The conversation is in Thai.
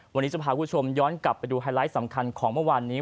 วันนี้จะพาคุณผู้ชมย้อนกลับไปดูไฮไลท์สำคัญของเมื่อวานนี้